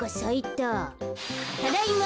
ただいま！